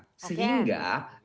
oke sehingga oke